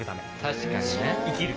確かにね。